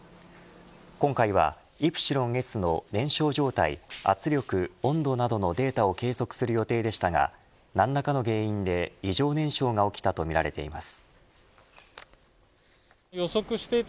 今回はイプシロンＳの燃焼状態、圧力、温度などのデータを計測する予定でしたが何らかの原因で、異常燃焼が起きたとみられています。